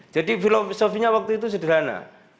jadi filosofinya waktu itu sederhana